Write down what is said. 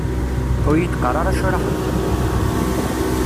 Ur yi-d-qqar ara acu ara xedmeɣ!